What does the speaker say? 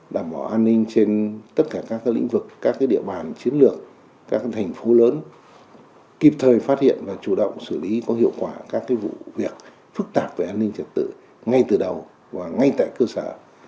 đảm bảo an ninh trên tất cả các lĩnh vực các địa bàn chiến lược các thành phố lớn kịp thời phát hiện và chủ động xử lý có hiệu quả các vụ việc phức tạp về an ninh trật tự ngay từ đầu và ngay tại cơ sở